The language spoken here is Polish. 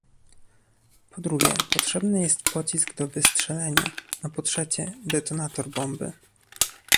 Po drugie, potrzebny jest pocisk do wystrzelenia, a po trzecie - detonator bomby